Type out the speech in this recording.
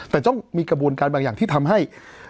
แต่ต้องมีกระบวนการบางอย่างที่ทำให้